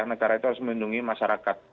negara itu harus melindungi masyarakat